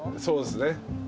そうですね。